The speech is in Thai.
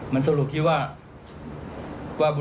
มันสรุปที่ว่า